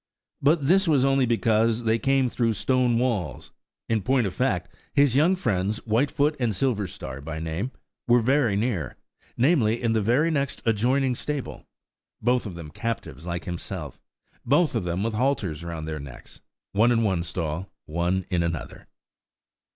But this was only because they came through stone walls. In point of fact, his young friends, Whitefoot and Silverstar by name, were very near–namely, in the very next adjoining stable–both of them captives like himself; both of them with halters round their necks, one in one stall, one in another.